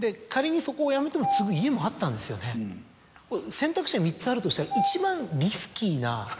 選択肢が３つあるとしたら。